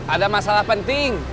ada masalah penting